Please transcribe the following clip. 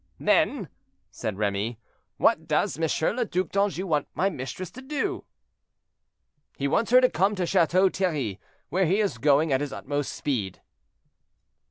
"Then," said Remy, "what does M. le Duc d'Anjou want my mistress to do?" "He wants her to come to Chateau Thierry, where he is going at his utmost speed."